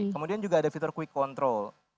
kemudian juga ada fitur quick control